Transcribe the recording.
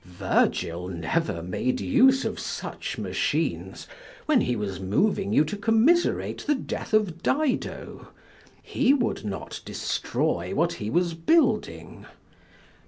Virgil never made use of such machines, when he was moving you to commiserate the death of Dido: he would not destroy what he was building.